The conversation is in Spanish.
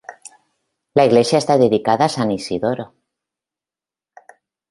La iglesia está dedicada a san Isidoro.